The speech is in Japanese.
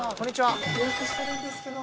予約してるんですけど。